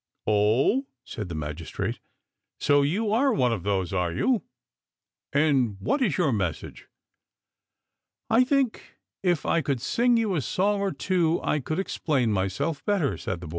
" Oh !" said the magistrate. " So you are one of those, are you ? And what is your message ?"" I think if I could sing you a song or two I could explain myself better," said the boy.